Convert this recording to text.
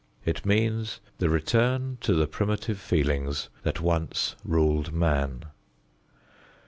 It means the return to the primitive feelings that once ruled man.